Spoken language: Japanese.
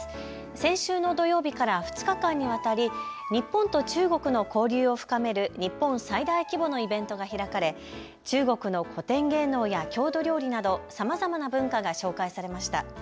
先週の土曜日から２日間にわたり日本と中国の交流を深める日本最大規模のイベントが開かれ中国の古典芸能や郷土料理などさまざまな文化が紹介されました。